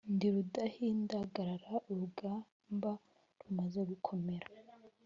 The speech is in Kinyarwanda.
Ndi rudahindagara urugamba rumaze gukomera,